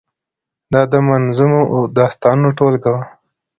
دا د منظومو داستانو ټولګه وه.